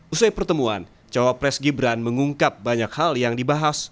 usai pertemuan cawapres gibran mengungkap banyak hal yang dibahas